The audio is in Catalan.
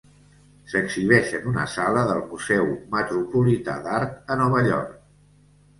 S'exhibeix en una sala del Museu Metropolità d'Art a Nova York.